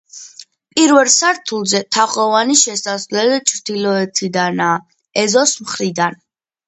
პირველ სართულზე თაღოვანი შესასვლელი ჩრდილოეთიდანაა, ეზოს მხრიდან.